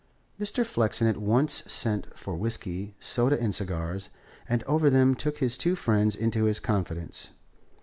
Mr. Flexen at once sent for whisky, soda and cigars, and over them took his two friends into his confidence.